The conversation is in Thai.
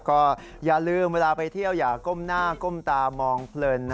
ก็อย่าลืมเวลาไปเที่ยวอย่าก้มหน้าก้มตามองเพลิน